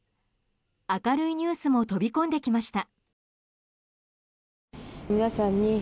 明るいニュースも飛び込んできました。